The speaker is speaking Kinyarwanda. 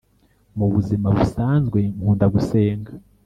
Mubuzima busanzwe nkunda gusenga